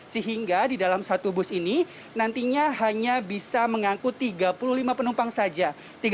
sehingga di dalam satu bus ini nantinya hanya bisa mengangkut tiga puluh lima penumpang saja